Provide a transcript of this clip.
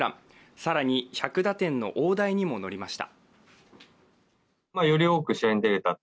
更に１００打点の大台にも乗りました。